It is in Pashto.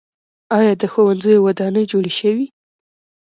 آیا د ښوونځیو ودانۍ جوړې شوي؟